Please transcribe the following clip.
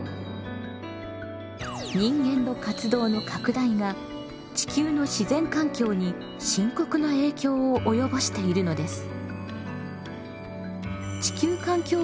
人間の活動の拡大が地球の自然環境に深刻な影響を及ぼしているのです。